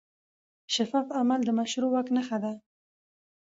شفاف عمل د مشروع واک نښه ده.